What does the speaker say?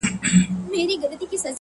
ستا هره گيله مي لا په ياد کي ده ـ